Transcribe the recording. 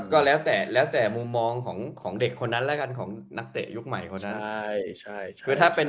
ก็แล้วแต่มุมมองของเด็กคนนั้นและของนักเตะยุคใหม่คนนั้น